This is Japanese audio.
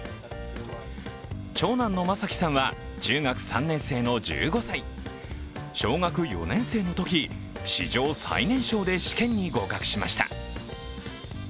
長男の眞輝さんは中学３年生の１５歳小学４年生のとき、史上最年少で試験に合格しました。